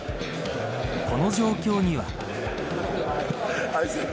この状況には。